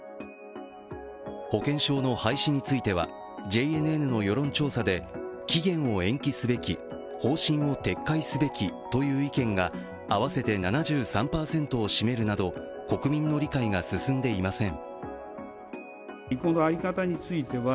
保険証の廃止についてはＪＮＮの世論調査で期限を延期すべき方針を撤回すべきという意見が合わせて７３％を占めるなど国民の理解が進んでいません。